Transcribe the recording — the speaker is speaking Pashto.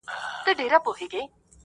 د غار خوله کي تاوېدله ګرځېدله،